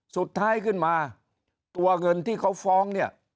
สุดท้ายขึ้นมาตัวเงินที่เขาฟ้องเนี่ย